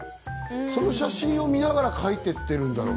その写真を見ながら描いていっているんだろうね。